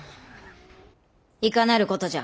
いかなることじゃ！